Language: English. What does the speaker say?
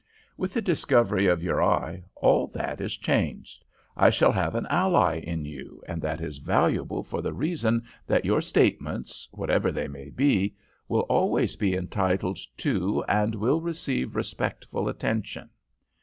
With the discovery of your eye, all that is changed. I shall have an ally in you, and that is valuable for the reason that your statements, whatever they may be, will always be entitled to and will receive respectful attention.